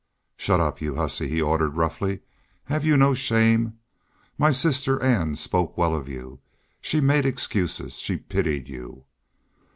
"Shut up, you hussy!" he ordered, roughly. "Have you no shame? ... My sister Ann spoke well of you. She made excuses she pitied you."